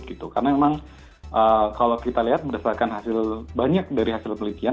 karena memang kalau kita lihat berdasarkan hasil banyak dari hasil pelatihan